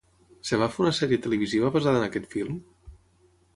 Es va fer una sèrie televisiva basada en aquest film?